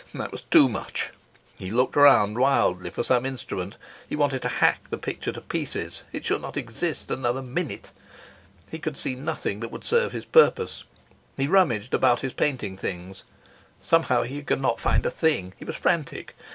That was too much. He looked round wildly for some instrument; he wanted to hack the picture to pieces; it should not exist another minute. He could see nothing that would serve his purpose; he rummaged about his painting things; somehow he could not find a thing; he was frantic.